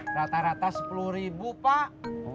rata rata sepuluh ribu pak